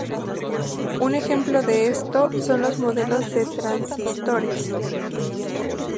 Un ejemplo de esto son los modelos de transistores.